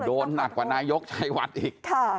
โดนหนักกว่านายกชัยวัดอีก